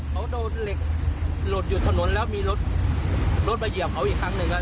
เขาโดนเหล็กหลุดอยู่ถนนแล้วมีรถรถมาเหยียบเขาอีกครั้งหนึ่ง